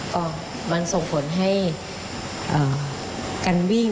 ก็มันส่งผลให้การวิ่ง